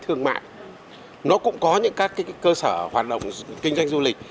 thương mại nó cũng có những các cơ sở hoạt động kinh doanh du lịch